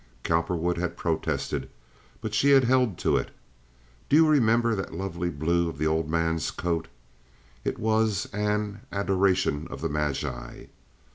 Cowperwood had protested, but she held to it. "Do you remember that lovely blue of the old man's coat?" (It was an "Adoration of the Magi.")